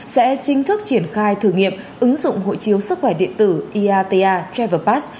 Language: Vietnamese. sẽ chính thức triển khai thử nghiệm ứng dụng hội chiếu sức khỏe điện tử iata travel pass